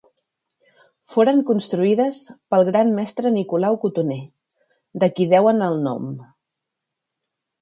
Foren construïdes pel Gran Mestre Nicolau Cotoner, de qui deuen el nom.